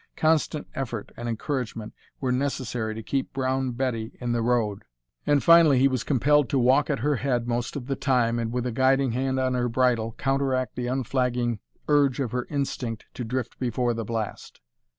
Constant effort and encouragement were necessary to keep Brown Betty in the road, and finally he was compelled to walk at her head most of the time and with a guiding hand on her bridle counteract the unflagging urge of her instinct to drift before the blast.